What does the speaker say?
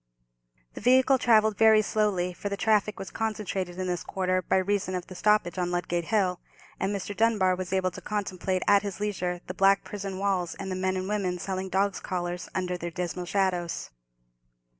The vehicle travelled very slowly, for the traffic was concentrated in this quarter by reason of the stoppage on Ludgate Hill, and Mr. Dunbar was able to contemplate at his leisure the black prison walls, and the men and women selling dogs' collars under their dismal shadows.